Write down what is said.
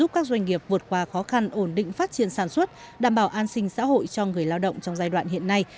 trong đợt qua khó khăn ổn định phát triển sản xuất đảm bảo an sinh xã hội cho người lao động trong giai đoạn hiện nay